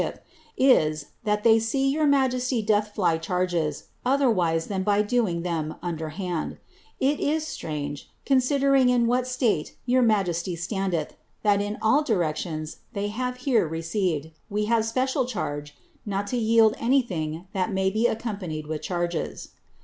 ip, is, that they see your majesty doth fly charges, otherwise than underhand. It is strange, considering in what state your majesty n all directions that we have here receired, wa haTe ipeeial tald to anything that may be accompanied with chargea.